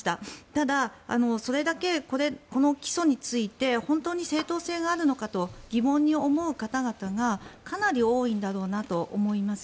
ただ、それだけこの起訴について本当に正当性があるのかと疑問に思う方々がかなり多いんだろうなと思います。